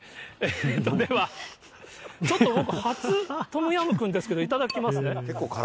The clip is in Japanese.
では、ちょっと僕、初トムヤムクンですけど、頂きますね。